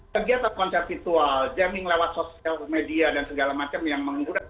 kegiatan konser virtual jaming lewat sosial media dan segala macam yang menggunakan